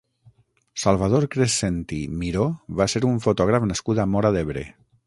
Salvador Crescenti Miró va ser un fotògraf nascut a Móra d'Ebre.